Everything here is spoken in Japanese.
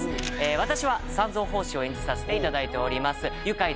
私は三蔵法師を演じさせていただいております。